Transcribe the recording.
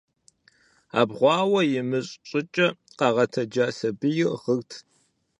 Абгъуауэ имыщӀ щӀыкӀэ къагъэтэджа сабийр гъырт.